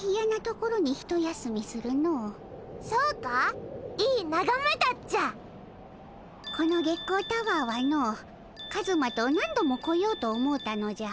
この月光タワーはのカズマと何度も来ようと思うたのじゃ。